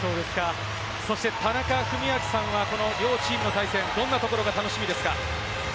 そして、田中史朗さんはこの両チームの対戦、どんなところが楽しみですか？